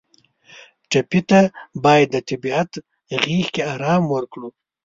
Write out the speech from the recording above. ټپي ته باید د طبیعت غېږ کې آرام ورکړو.